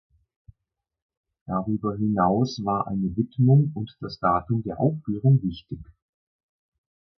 Darüber hinaus war eine Widmung und das Datum der Aufführung wichtig.